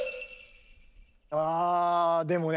わあでもね